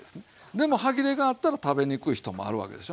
でも歯切れがあったら食べにくい人もあるわけでしょ。